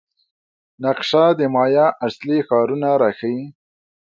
نقشه د مایا اصلي ښارونه راښيي.